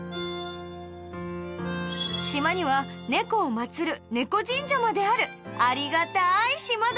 島には猫を祀る猫神社まであるありがたい島だ